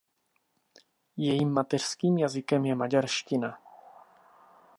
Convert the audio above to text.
Jejím mateřským jazykem je maďarština.